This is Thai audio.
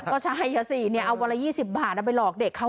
ก็ใช่สิเอาวันละ๒๐บาทเอาไปหลอกเด็กเขา